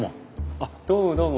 あっどうもどうも。